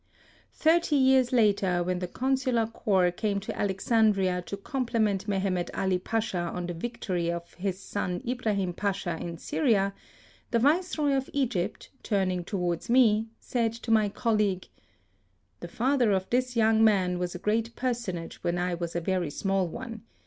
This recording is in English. Thirty years later, when the consular corps came to Alexandria to compliment Mehemet Ali Pacha on the victories of his son Ibrahim Pacha in Syria, the Viceroy of Egypt, turning towards me, said to my col league :" The father of this young man was a great personage when I was a very small one.